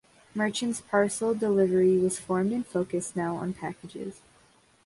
Merchants Parcel Delivery was formed and focused now on packages.